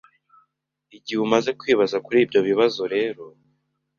Igihe umaze kwibaza kuri ibyo bibazo rero,